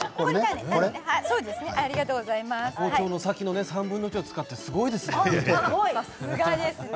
包丁の先の３分の１を使ってすごいですよ。